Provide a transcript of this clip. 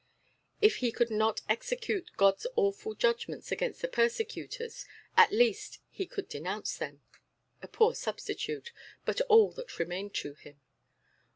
If he could not execute God's awful judgments against the persecutors, at least he could denounce them. A poor substitute, but all that remained to him.